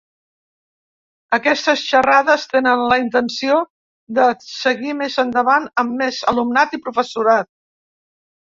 Aquestes xarrades tenen la intenció de seguir més endavant amb més alumnat i professorat.